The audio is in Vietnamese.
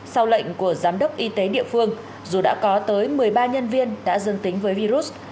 sau lệnh của giám đốc y tế địa phương dù đã có tới một mươi ba nhân viên đã dương tính với virus